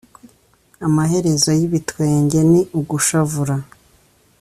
amaherezo y’ibitwenge ni ugushavura